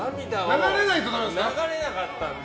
流れなかったので。